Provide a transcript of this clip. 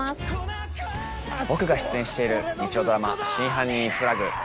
僕が出演している日曜ドラマ『真犯人フラグ』。